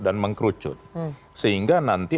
dan mengkerucut sehingga nanti